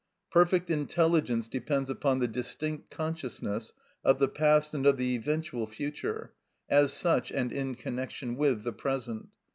Perfect intelligence depends upon the distinct consciousness of the past and of the eventual future, as such, and in connection with the present.